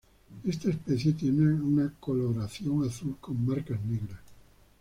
Esta especie tiene una coloración azul con marcas negras.